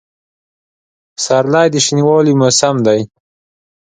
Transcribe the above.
پسرلی د شنوالي موسم دی.